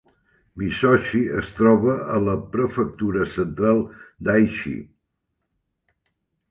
Miysohi es troba a la prefectura central d'Aichi.